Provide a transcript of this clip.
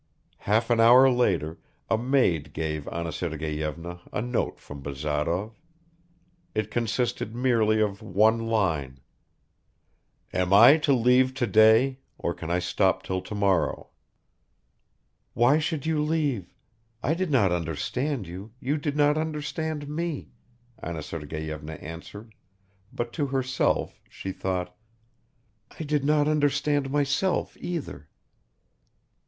Half an hour later a maid gave Anna Sergeyevna a note from Bazarov; it consisted merely of one line: "Am I to leave today, or can I stop till tomorrow?" "Why should you leave? I did not understand you you did not understand me," Anna Sergeyevna answered, but to herself she thought "I did not understand myself either."